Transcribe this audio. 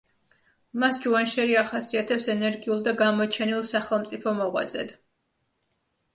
მას ჯუანშერი ახასიათებს ენერგიულ და გამოჩენილ სახელმწიფო მოღვაწედ.